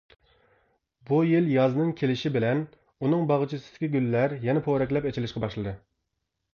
بۇ يىل يازنىڭ كېلىشى بىلەن ئۇنىڭ باغچىسىدىكى گۈللەر يەنە پورەكلەپ ئېچىلىشقا باشلىدى.